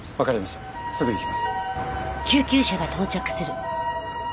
すぐ行きます。